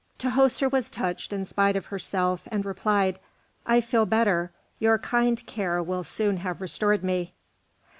Tahoser was touched in spite of herself, and replied, "I feel better. Your kind care will soon have restored me."